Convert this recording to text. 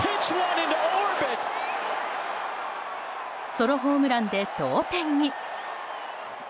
ソロホームランで同点に。